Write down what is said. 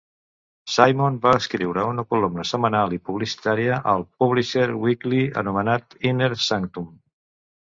Simon va escriure una columna setmanal i publicitària al Publisher's Weekly anomenada Inner Sanctum.